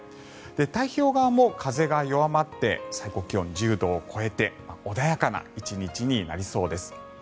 太平洋側も風が弱まって最高気温１０度を超えて穏やかな１日になりそうです。